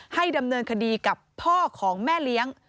ให้ดำเนินคดีกับพ่อของแม่เลี้ยง